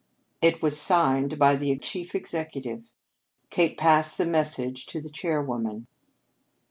It was signed by the chief executive. Kate passed the message to the chairwoman.